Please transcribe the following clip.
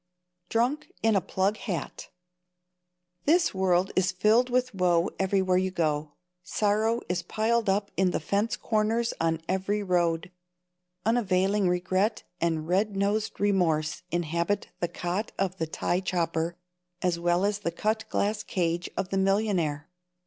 Drunk in a Plug Hat. This world is filled with woe everywhere you go. Sorrow is piled up in the fence corners on every road. Unavailing regret and red nosed remorse inhabit the cot of the tie chopper as well as the cut glass cage of the millionaire.